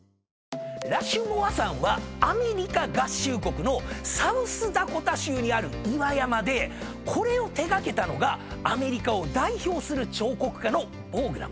ラシュモア山はアメリカ合衆国のサウスダコタ州にある岩山でこれを手掛けたのがアメリカを代表する彫刻家のボーグラム。